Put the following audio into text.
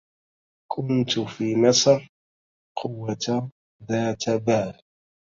كنت في مصر قوة ذات بال